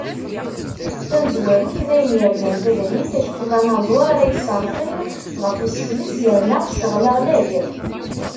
Tamezwarut, d ayen yerzan tadrimt, acku d anaẓur ara iseṛfen ɣef usekles, yerna ccɣel-a ɣlay.